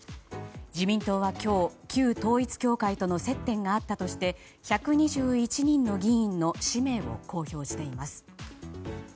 自民党は今日、旧統一教会との接点があったとして１２１人の議員の氏名を公表しています。